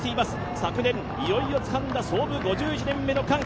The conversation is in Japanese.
昨年いよいよつかんだ創部５１年目の歓喜。